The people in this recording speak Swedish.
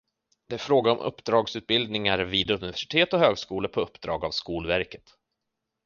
Det är fråga om uppdragsutbildningar vid universitet och högskolor på uppdrag av Skolverket.